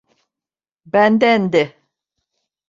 Benden de.